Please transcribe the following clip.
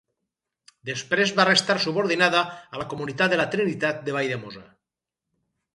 Després va restar subordinada a la comunitat de la Trinitat de Valldemossa.